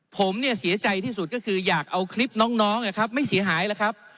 ผมเสียใจที่สุดก็คืออยากเอาคลิปน้องไม่เสียหายเลยครับ